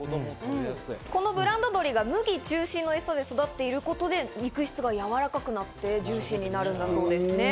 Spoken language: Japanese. このブランド鶏が麦中心のエサで育っていることで肉質がやわらかくなって、ジューシーになるんだそうですね。